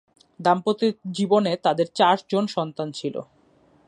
দাম্পত্য জীবনে তাদের চার জন সন্তান ছিলো।